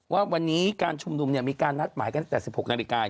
ว่าวันนี้การชุมนุมมีการนัดหมายกันตั้งแต่๑๖นาฬิกา